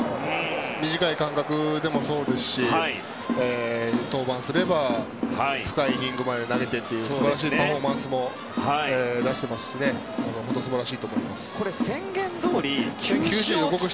短い間隔でもそうですし登板すれば深いイニングまで投げてという素晴らしいパフォーマンスも出していますし本当にすばらしいと思います。